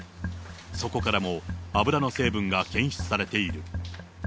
そこからも油の成分が検出されている。